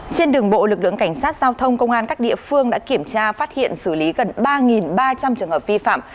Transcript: trên đường bộ lực lượng cảnh sát giao thông công an các địa phương đã kiểm tra phát hiện xử lý gần ba ba trăm linh trường hợp vi phạm